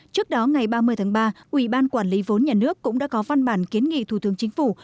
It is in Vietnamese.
trước đó ngày ba mươi tháng ba ủy ban quản lý vốn nhà nước cũng đã có văn bản kiến nghị thủ tướng chính phủ